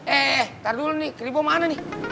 eh eh eh ntar dulu nih keribu mana nih